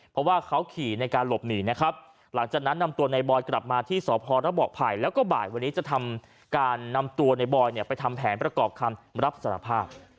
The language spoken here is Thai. เพราะว่าเขาขี่ในการหลบหนีนะครับหลังจากนั้นนำตัวในบอยกลับมาที่สพระบอกภัยแล้วก็บ่ายวันนี้จะทำการนำตัวในบอยเนี่ยไปทำแผนประกอบคำรับสารภาพ